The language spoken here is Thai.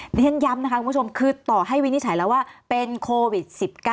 เรียนย้ำนะคะคุณผู้ชมคือต่อให้วินิจฉัยแล้วว่าเป็นโควิด๑๙